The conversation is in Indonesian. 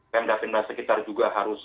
pemda pemda sekitar juga harus